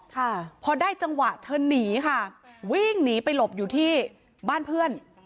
ค่ะพอได้จังหวะเธอหนีค่ะวิ่งหนีไปหลบอยู่ที่บ้านเพื่อน